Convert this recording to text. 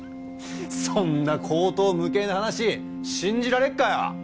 そんな荒唐無稽な話信じられっかよ！